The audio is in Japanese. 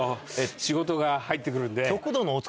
仕事が入ってくるんで。